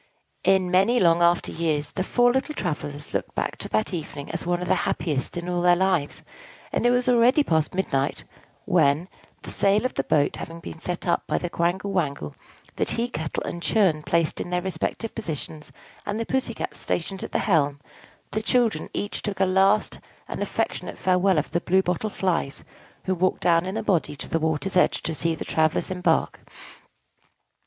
In many long after years, the four little travellers looked back to that evening as one of the happiest in all their lives; and it was already past midnight when the sail of the boat having been set up by the Quangle Wangle, the tea kettle and churn placed in their respective positions, and the Pussy Cat stationed at the helm the children each took a last and affectionate farewell of the Blue Bottle Flies, who walked down in a body to the water's edge to see the travellers embark.